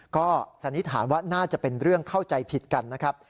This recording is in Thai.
ก็สันนิษฐานว่าน่าจะเป็นเรื่องเข้าใจผิดกันนะครับ